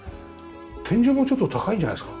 天井もちょっと高いんじゃないですか？